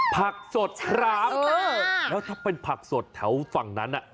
ผักสดครับแล้วถ้าเป็นผักสดแถวฝั่งนั้นน่ะ